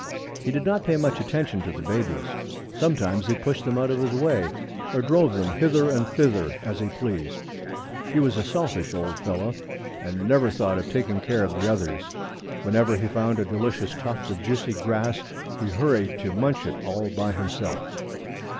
He did not pay much attention to the babies. Sometimes he pushed them out of his way, or drove them hither and thither, as he pleased. He was a selfish old fellow and never thought of taking care of the others. Whenever he found a delicious tuft of juicy grass he hurried to munch it all by himself.